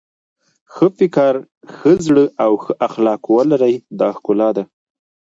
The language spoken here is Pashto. ښه فکر ښه زړه او ښه اخلاق ولرئ دا ښکلا ده.